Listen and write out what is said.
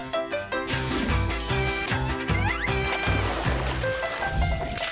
โปรดติดตามตอนต่อไป